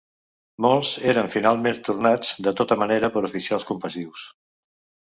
Molts eren finalment tornats de tota manera per oficials compassius.